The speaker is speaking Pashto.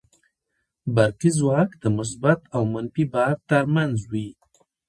برقي ځواک د مثبت او منفي بار تر منځ وي.